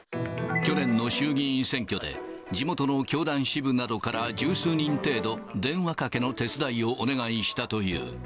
去年の衆議院選挙で、地元の教団支部などから、十数人程度、電話かけの手伝いをお願いしたという。